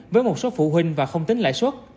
với một số phụ huynh và không tính lãi suất